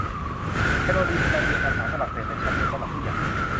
แคโรลีนกำลังเรียนภาษาฝรั่งเศสในชั้นเรียนสำหรับผู้ใหญ่